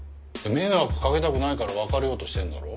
迷惑かけたくないから別れようとしてんだろ？